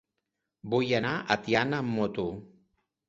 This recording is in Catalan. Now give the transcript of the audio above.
Vull anar a Tiana amb moto.